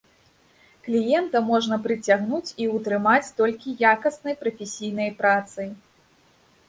Кліента можна прыцягнуць і ўтрымаць толькі якаснай, прафесійнай працай.